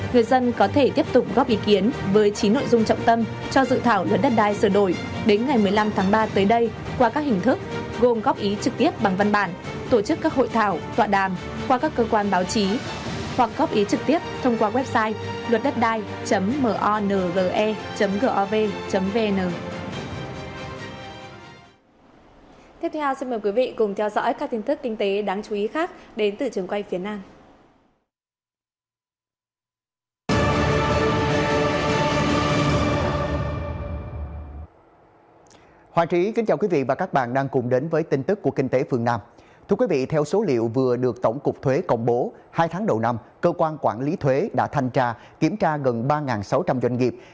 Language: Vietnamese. người dân có thể tiếp tục góp ý kiến với chín nội dung trọng tâm cho dự thảo lớn đất đai sửa đổi đến ngày một mươi năm tháng ba tới đây qua các hình thức gồm góp ý trực tiếp